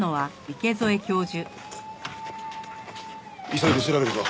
急いで調べるぞ。